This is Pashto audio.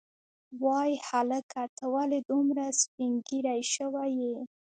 وای هلکه ته ولې دومره سپینږیری شوی یې.